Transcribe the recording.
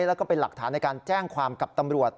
แล้วก็เป็นหลักฐานในการแจ้งความกับตำรวจ